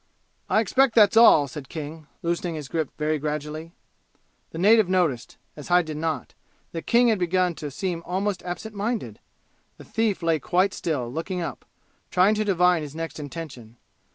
"I expect that's all," said King, loosening his grip very gradually. The native noticed as Hyde did not that King had begun to seem almost absent minded; the thief lay quite still, looking up, trying to divine his next intention.